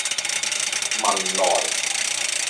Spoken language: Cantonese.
汶萊